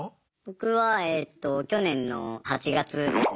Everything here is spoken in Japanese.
僕はえと去年の８月ですね。